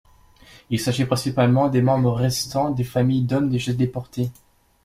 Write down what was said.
Il s'agit principalement des membres restants des familles d'hommes déjà déportés.